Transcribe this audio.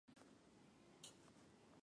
愛媛県松前町